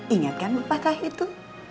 ingatkan pepatah itu